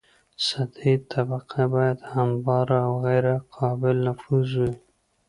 سطحي طبقه باید همواره او غیر قابل نفوذ وي